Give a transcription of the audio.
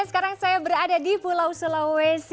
sekarang saya berada di pulau sulawesi